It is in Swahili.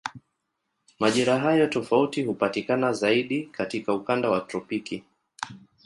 Majira hayo tofauti hupatikana zaidi katika ukanda wa tropiki.